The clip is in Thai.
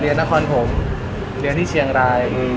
นครผมเรียนที่เชียงราย